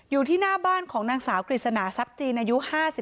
อยู่ที่หน้าบ้านของนางสาวกฤษณาทรัพย์จีนอายุ๕๓